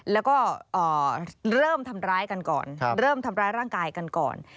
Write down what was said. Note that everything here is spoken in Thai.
แล้วก็เริ่มทำร้ายกันก่อนเริ่มทำร้ายร่างกายกันก่อน